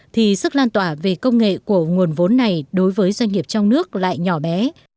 thì sức lan tỏa về công nghệ của nguồn vốn này đối với doanh nghiệp trong nước lại nhỏ bé